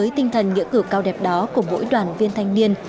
với tinh thần nghĩa cử cao đẹp đó của mỗi đoàn viên thanh niên